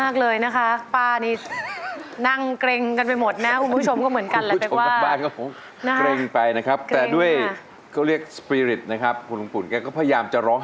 กลิ่นหอมติดมอนให้พี่จนขาดบรรดุจักร